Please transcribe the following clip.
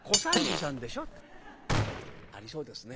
ありそうですね。